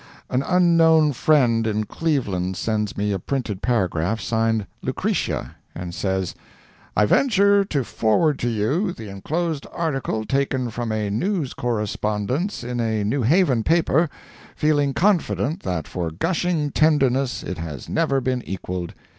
An unknown friend in Cleveland sends me a printed paragraph, signed "Lucretia," and says: "I venture to forward to you the enclosed article taken from a news correspondence in a New Haven paper, feeling confident that for gushing tenderness it has never been equalled.